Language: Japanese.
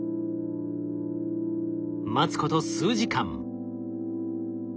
待つこと数時間。